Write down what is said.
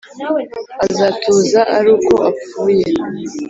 azatuza ari uko apfuye.